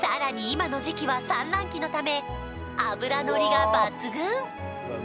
今の時期は産卵期のため脂のりが抜群！